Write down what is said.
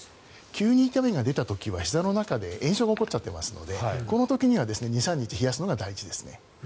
急に痛みが出た時はひざの中で炎症が起きてしまうのでこの時には２３日冷やすのが大事ですね。